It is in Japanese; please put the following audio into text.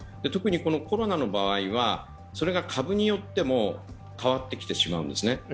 特にコロナの場合はそれが株によっても変わってきてしまうんですね。